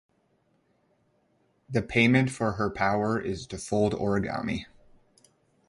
The payment for her power is to fold origami.